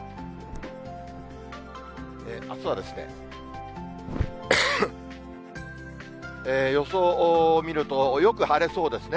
あすは、予想を見ると、よく晴れそうですね。